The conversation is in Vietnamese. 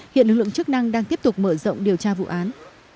hiện lực lượng chức năng đang tiếp tục mở rộng điều tra vụ án